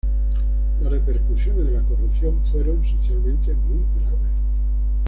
Las repercusiones de la corrupción fueron socialmente muy graves.